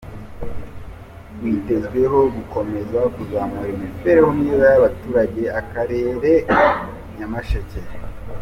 Witezweho gukomeza kuzamura imibereho myiza y’abatuye Akarere ka Nyamasheke.